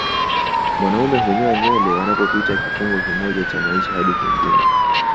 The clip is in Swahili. Wanaume hunyoa nywele wanapopita kifungu kimoja cha maisha hadi kingine